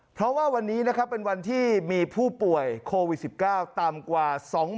เพราะว่าวันนี้เป็นวันที่มีผู้ป่วยโควิด๑๙ต่ำกว่า๒๐๐๐๐